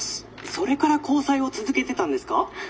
「それから交際を続けてたんですか？」。